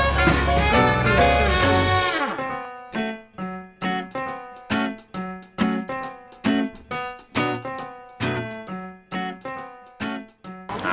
พอครับ